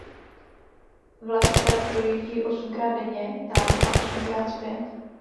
Vlak trať projíždí osmkrát denně tam a osmkrát zpět.